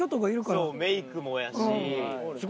そうメイクもやし。